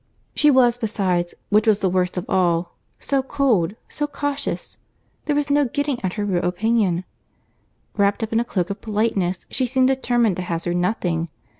She was, besides, which was the worst of all, so cold, so cautious! There was no getting at her real opinion. Wrapt up in a cloak of politeness, she seemed determined to hazard nothing.